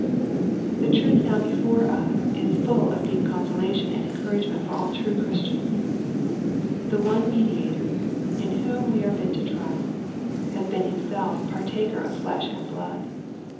The truth now before us is full of deep consolation and encouragement for all true Christians. . The one Mediator, in whom we are bid to trust, has been Himself " partaker of flesh and blood."